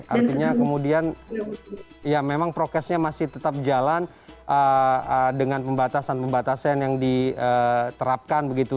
artinya kemudian ya memang prokesnya masih tetap jalan dengan pembatasan pembatasan yang diterapkan begitu